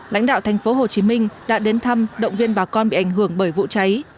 lãnh đạo thành phố hồ chí minh đã đến thăm động viên bà con bị ảnh hưởng bởi vụ cháy